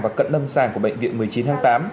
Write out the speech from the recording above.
và cận lâm sàng của bệnh viện một mươi chín tháng tám